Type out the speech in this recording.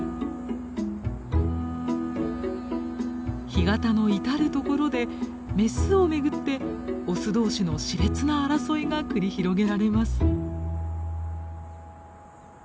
干潟の至る所でメスを巡ってオス同士のしれつな争いが繰り広げられます。